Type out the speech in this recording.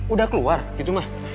udah keluar gitu mah